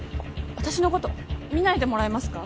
私のこと見ないでもらえますか？